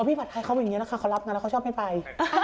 พี่ผัดไทยเขาเป็นเงี้ยน่ะพี่เขารับเงินไม่ไป